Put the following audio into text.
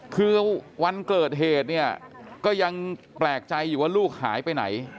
คือวันเกิดเหตุเนี่ยก็ยังแปลกใจอยู่ว่าลูกหายไปไหน